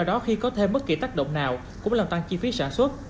do đó khi có thêm bất kỳ tác động nào cũng làm tăng chi phí sản xuất